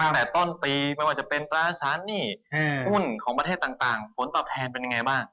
ตั้งแต่ต้นปีไม่ว่าจะเป็นตราสารหนี้หุ้นของประเทศต่างผลตอบแทนเป็นยังไงบ้าง